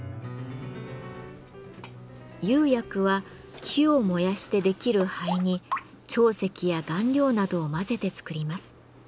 釉薬は木を燃やしてできる灰に長石や顔料などを混ぜて作ります。